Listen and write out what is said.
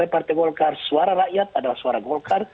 partai golkar suara rakyat adalah suara golkar